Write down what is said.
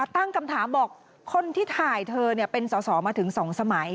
ตั้งคำถามบอกคนที่ถ่ายเธอเป็นสอสอมาถึง๒สมัย